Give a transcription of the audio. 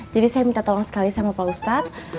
jadi saya minta tolong sekali sama pak ustadz